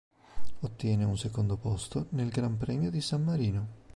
Ottiene un secondo posto nel Gran Premio di San Marino.